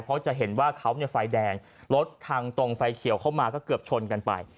เพราะจะเห็นว่าเขาเนี่ยไฟแดงรถทางตรงไฟเขียวเข้ามาก็เกือบชนกันไป